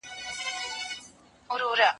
زه خواړه نه ورکوم!.